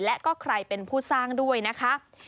และก็ใครเป็นผู้สร้างด้วยนะคะ